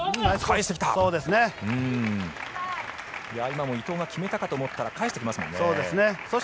今も伊藤が決めたかと思ったら返してきますね。